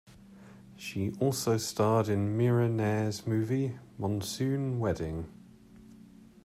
She also starred in Mira Nair's movie "Monsoon Wedding".